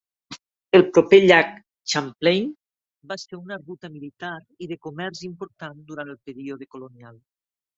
El proper llac Champlain va ser una ruta militar i de comerç important durant el període colonial.